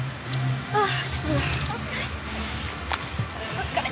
お疲れ！